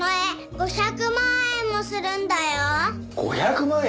５００万円！？